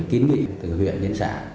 kiến nghị từ huyện đến xã